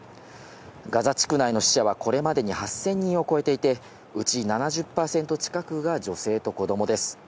ガザ地区内の死者はこれまでに８０００人を超えていて、うち７０％近くが女性と子どもです。